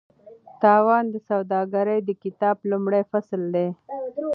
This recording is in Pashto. تاوان د سوداګرۍ د کتاب لومړی فصل دی.